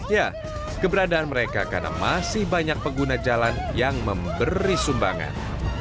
ya keberadaan mereka karena masih banyak pengguna jalan yang memberi sumbangan